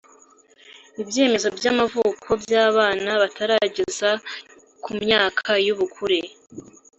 ibyemezo by’amavuko by’abana batarageza ku myaka y’ubukure